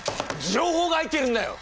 情報が入っているんだよ！